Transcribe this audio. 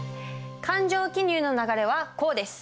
勘定記入の流れはこうです。